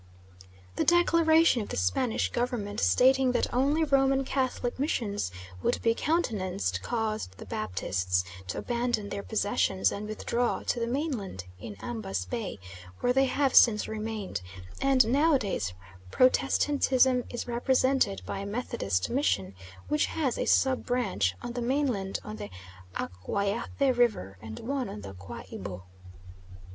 The declaration of the Spanish Government stating that only Roman Catholic missions would be countenanced caused the Baptists to abandon their possessions and withdraw to the mainland in Ambas Bay, where they have since remained, and nowadays Protestantism is represented by a Methodist Mission which has a sub branch on the mainland on the Akwayafe River and one on the Qua Ibo.